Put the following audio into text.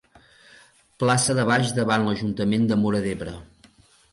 Plaça de baix davant de l'Ajuntament de Móra d'Ebre.